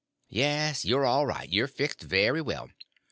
Yes, you're all right; you're fixed very well.